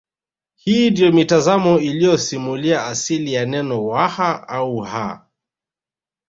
Hii ndiyo mitazamo iliyosimulia asili ya neno Waha au Ha